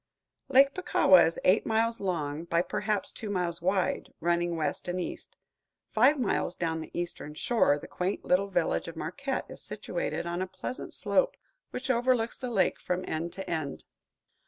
Lake Puckawa is eight miles long by perhaps two miles wide, running west and east. Five miles down the eastern shore, the quaint little village of Marquette is situated on a pleasant slope which overlooks the lake from end to end.